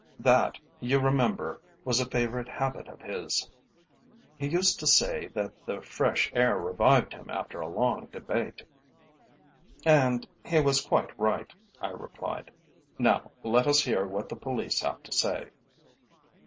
That, you remember, was a favourite habit of his. He used to say that the fresh air revived him after a long debate." "And he was quite right," I replied. "Now let us hear what the police have to say."